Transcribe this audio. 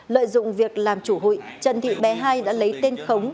lợi dụng việc làm chủ hụi trần thị bé hai đã lấy tên khống